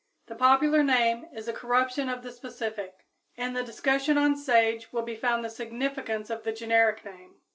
The popular name is a corruption of the specific. In the discussion on sage will be found the significance of the generic name.